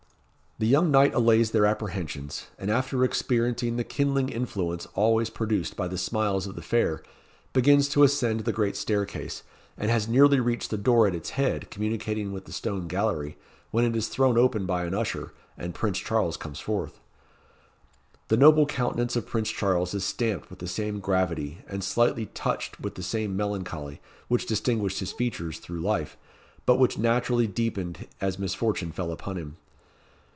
The young knight allays their apprehensions, and after experiencing the kindling influence always produced by the smiles of the fair, begins to ascend the great staircase, and has nearly reached the door at its head, communicating with the Stone Gallery, when it is thrown open by an usher, and Prince Charles comes forth. The noble countenance of Prince Charles is stamped with the same gravity, and slightly touched with the same melancholy, which distinguished his features through life, but which naturally deepened as misfortune fell upon him.